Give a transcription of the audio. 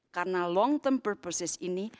karena long term purposes ini